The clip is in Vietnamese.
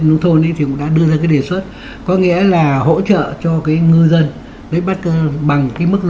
nông thôn cũng đã đưa ra cái đề xuất có nghĩa là hỗ trợ cho người dân